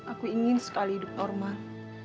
aku ingin sekali hidup normal